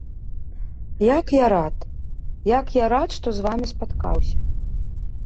Як я рад, як я рад, што з вамі спаткаўся.